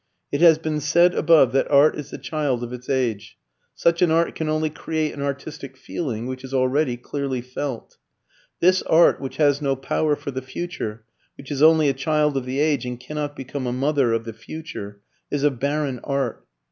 It has been said above that art is the child of its age. Such an art can only create an artistic feeling which is already clearly felt. This art, which has no power for the future, which is only a child of the age and cannot become a mother of the future, is a barren art.